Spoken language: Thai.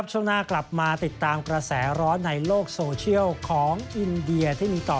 ให้กับวัฒนธรรมอินเดีย